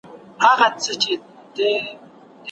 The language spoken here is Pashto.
آيا خاوند بايد مهر ميرمني ته وسپاري؟